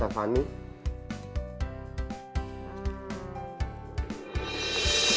salam samban tante fanny